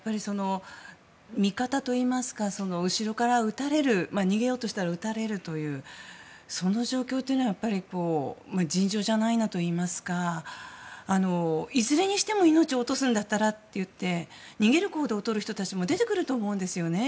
味方といいますか後ろから逃げようとしたら撃たれるというその状況というのは尋常じゃないなといいますかいずれにしても命を落とすんだったらと逃げる行動をとる人たちも出てくると思うんですね。